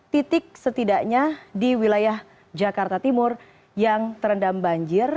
tiga puluh tiga titik setidaknya di wilayah jakarta timur yang terendam banjir